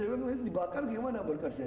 terus saya bilang dibakar gimana berkasnya